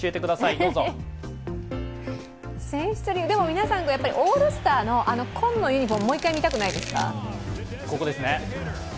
皆さん、オールスターのあの紺のユニフォーム、もう１回、見たくないですか？